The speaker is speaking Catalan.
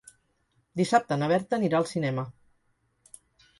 Dissabte na Berta anirà al cinema.